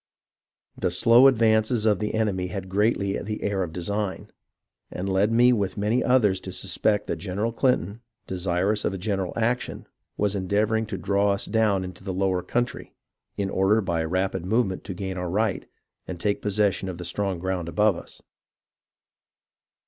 The slow advances of the enemy had greatly the air of design, and led me with many others to suspect that General Clinton, desirous of a general action, was endeavouring to draw us down into the lower country, in order by a rapid movement to gain our right, and take possession of the strong ground above us.